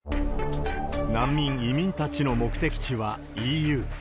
難民、移民たちの目的地はＥＵ。